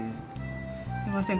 すいません